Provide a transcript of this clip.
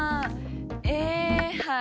えはい。